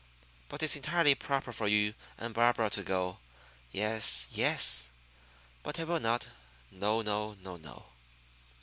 But it's entirely proper for you and Barbara to go. Yes, yes. But I will not. No, no, no, no!"